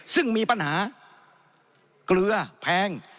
ซึ่งมีปัญหาเกลือแพง